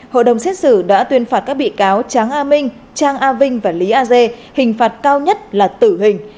hội đồng xét xử đã tuyên phạt các bị cáo tráng a minh trang a vinh và lý a dê hình phạt cao nhất là tử hình